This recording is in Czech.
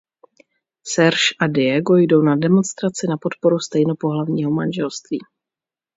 Serge a Diego jdou na demonstraci na podporu stejnopohlavního manželství.